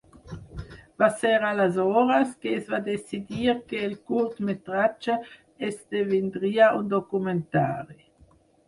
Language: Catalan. Va ser aleshores que es va decidir que el curtmetratge esdevindria un documentari.